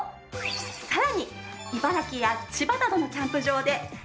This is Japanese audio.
さらに茨城や千葉などのキャンプ場でＫ−ＦＯＯＤ